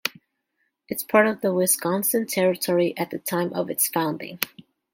It was part of the Wisconsin Territory at the time of its founding.